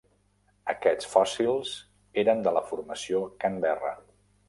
Aquests fòssils eren de la formació Canberra.